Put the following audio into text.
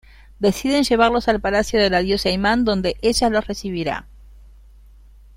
Deciden llevarlos al Palacio de la Diosa Imán donde ella los recibirá.